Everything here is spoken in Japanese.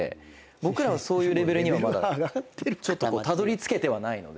僕らはそういうレベルにはまだたどりつけてはないので。